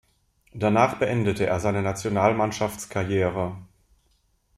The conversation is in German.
Danach beendete er seine Nationalmannschafts-Karriere.